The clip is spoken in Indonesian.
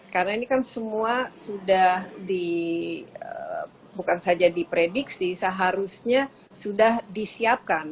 karena ini kan semua sudah di bukan saja diprediksi seharusnya sudah disiapkan